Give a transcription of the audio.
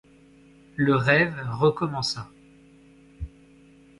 Le rêve recommença.